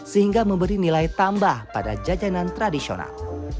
sehingga memberi nilai tambah pada jajanan tradisional